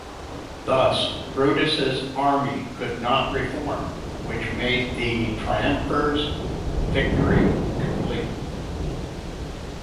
Thus, Brutus's army could not reform, which made the triumvirs' victory complete.